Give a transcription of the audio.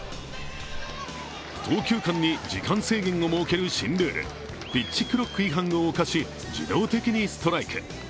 投球間に時間制限を設ける新ルール、ピッチクロック違反を犯し、自動的にストライク。